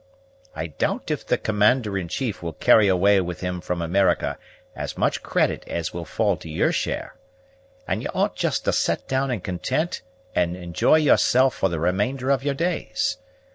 I doubt if the commander in chief will carry away with him from America as much credit as will fall to yer share, and ye ought just to set down in content and enjoy yoursal' for the remainder of yer days.